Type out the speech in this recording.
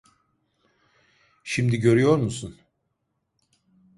Şimdi görüyor musun?